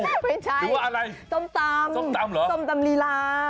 ไม่ใช่ส้มตำส้มตำลีลาหรืออะไร